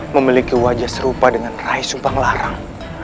memiliki wajah serupa dengan rais sumpang larang